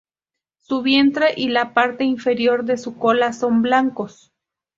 Su vientre y la parte inferior de su cola son blancos.